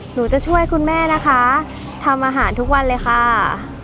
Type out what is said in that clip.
หนูจะช่วยคุณแม่นะคะทำอาหารทุกวันเลยค่ะ